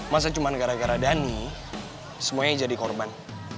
masa cuma gara gara dhani semuanya jadi korban